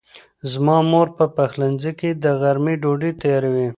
زما مور په پخلنځي کې د غرمې ډوډۍ تیاروي.